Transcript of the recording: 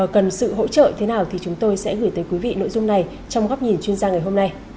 cần sự hỗ trợ thế nào thì chúng tôi sẽ gửi tới quý vị nội dung này trong góc nhìn chuyên gia ngày hôm nay